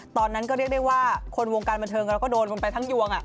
ตอนนั้นก็เรียกได้ว่าคนวงการบันเทิงเราก็โดนกันไปทั้งยวง